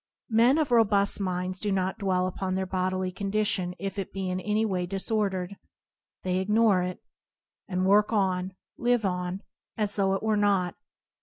Men of robust minds do not dwell upon their bodily condition if it be in any way disordered — they ignore it, and work on, live on, as though it were not.